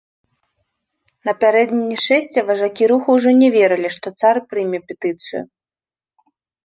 Напярэдадні шэсця важакі руху ўжо не верылі, што цар прыме петыцыю.